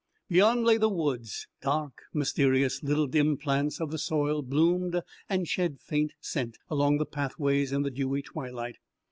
Beyond lay the woods dark, mysterious. Little dim plants of the soil bloomed and shed faint scent along the pathway in the dewy twilight.